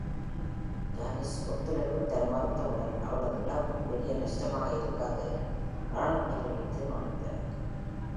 Janice ஒத்துழைப்பு தர மறுத்தவுடன், அவளது இழப்பு பெரிய நஷ்டமாக இருக்காது எனறு ராணுவ வீரர்கள் தீர்மானித்தனர்.